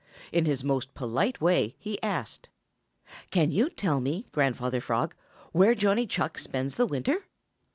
In his most polite way he asked: "Can you tell me, Grandfather Frog, where Johnny Chuck spends the winter?"